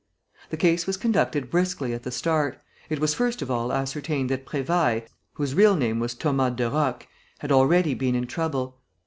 The case was conducted briskly at the start. It was first of all ascertained that Prévailles, whose real name was Thomas Derocq, had already been in trouble.